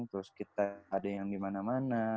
terus kita ada yang dimana mana